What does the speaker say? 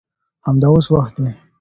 همدا اوس وخت دی.